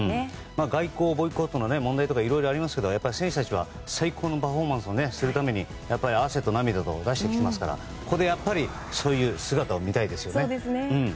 外交ボイコットの問題とかもいろいろありますが選手たちは最高のパフォーマンスをするために汗と涙を出してきていますからここでそういう姿を見たいですよね。